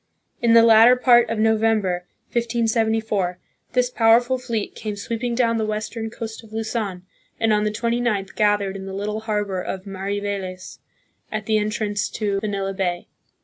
In the latter part of November, 1574, this powerful fleet came sweeping down the western coast of Luzon and on the 29th gathered in the little harbor of Mariveles, at the entrance to Manila Bay.